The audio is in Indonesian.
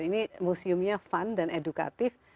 ini museumnya fun dan edukatif